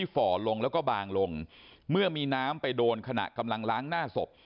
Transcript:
ฝ่อลงแล้วก็บางลงเมื่อมีน้ำไปโดนขณะกำลังล้างหน้าศพ